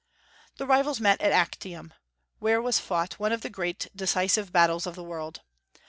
The rivals met at Actium, where was fought one of the great decisive battles of the world.